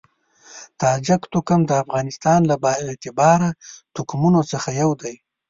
تاجک توکم د افغانستان له با اعتباره توکمونو څخه یو دی.